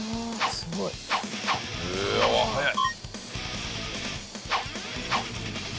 すごい。うわ速い！